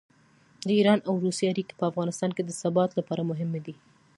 د ایران او روسیې اړیکې په افغانستان کې د ثبات لپاره مهمې دي.